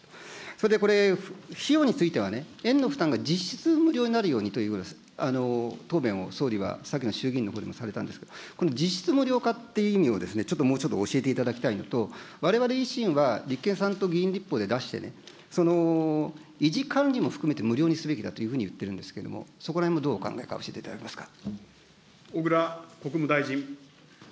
それでこれ、費用については園の負担が実質無料になるようにということで、答弁を総理が先の衆議院のほうでもされたんですけど、この実質無料化っていう意味を、ちょっともうちょっと教えていただきたいのと、われわれ維新は立憲さんと議員立法で出して、その維持管理も含めて無料にすべきだというふうに言っているんですけど、そこらへんもどうお考えか教えていただけますか。